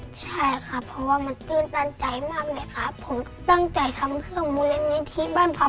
ใช่ครับเพราะว่ามันตื่นตันใจมากเลยครับ